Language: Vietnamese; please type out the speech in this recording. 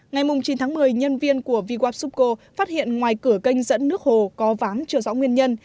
ngày chín tháng một mươi nhân viên của vwapsupco phát hiện ngoài cửa kênh dẫn nước hồ có ván chưa rõ nguyên nhân